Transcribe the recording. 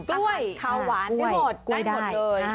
กล้วยขาวหวานได้หมดกล้วยหมดเลย